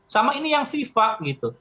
sama ini yang fifa gitu